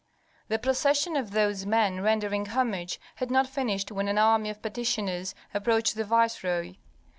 The procession of those men rendering homage had not finished when an army of petitioners approached the viceroy.